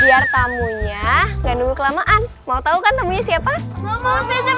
pertamunya enggak nunggu kelamaan mau tahu kan temennya siapa mau mau sejak